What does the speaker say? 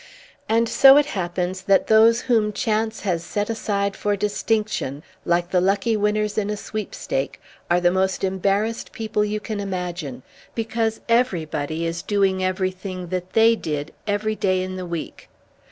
And so it happens that those whom chance has set aside for distinction, like the lucky winners in a sweepstake, are the most embarrassed people you can imagine, because everybody is doing everything that they did every day in the week.